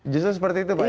justru seperti itu pak ya